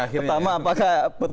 pertama apakah perpu